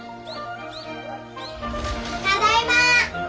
ただいま！